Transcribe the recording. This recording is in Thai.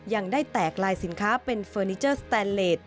ยังได้แตกลายสินค้าเป็นเฟอร์นิเจอร์สแตนเลส